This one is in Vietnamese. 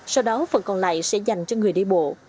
sau đó phần còn lại sẽ dành cho người đi bộ